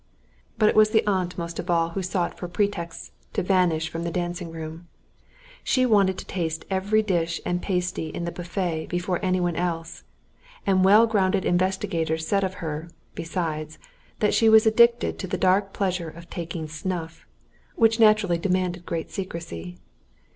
But it was the aunt most of all who sought for pretexts to vanish from the dancing room. She wanted to taste every dish and pasty in the buffet before any one else, and well grounded investigators said of her, besides, that she was addicted to the dark pleasure of taking snuff, which naturally demanded great secrecy.